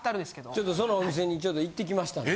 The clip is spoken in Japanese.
ちょっとそのお店にちょっと行って来ましたんで。